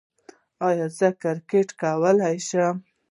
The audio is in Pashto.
ایا زه کرکټ کولی شم؟